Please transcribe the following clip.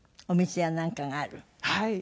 はい。